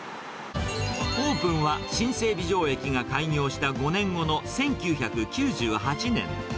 オープンは新整備場駅が開業した５年後の１９９８年。